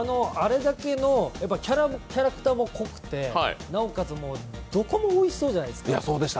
あれだけのキャラクターも濃くてなおかつ、どこもおいしそうじゃないですか。